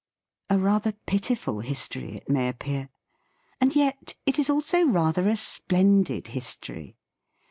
A rather pitiful history it may appear! And yet it is also rather a splendid history!